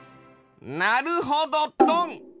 なるほどドン！